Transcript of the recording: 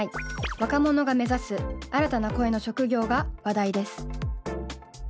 若者が目指す新たな声の職業が話題です。